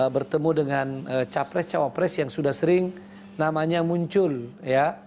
bertemu dengan capres cawapres yang sudah sering namanya muncul ya